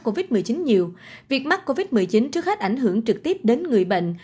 covid một mươi chín nhiều việc mắc covid một mươi chín trước hết ảnh hưởng trực tiếp đến người bệnh